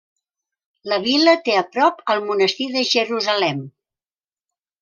La vila té a prop el monestir de Jerusalem.